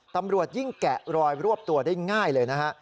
ตำรวจยิ่งแกะรอยรวบตัวได้ง่ายเลยนะฮะ